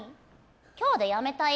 今日でやめたい？